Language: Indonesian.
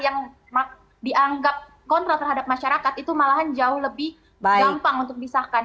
yang dianggap kontra terhadap masyarakat itu malahan jauh lebih gampang untuk disahkan